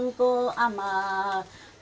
perang tu amat belilah perang